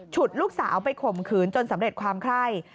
ลูกสาวไปข่มขืนจนสำเร็จความไคร่